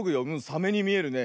サメにみえるね。